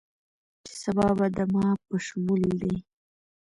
چې سبا به دما په شمول دې